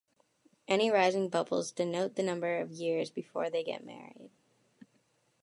Any rising bubbles denote the number of years before they get married.